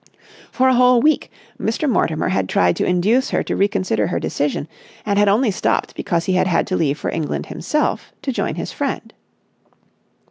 For a whole week Mr. Mortimer had tried to induce her to reconsider her decision, and had only stopped because he had had to leave for England himself, to join his friend.